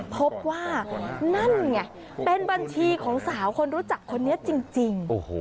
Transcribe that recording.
พบว่านั่นไงเป็นบัญชีของสาวคนรู้จักคนนี้จริง